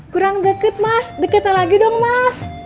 kurang deket mas deketnya lagi dong mas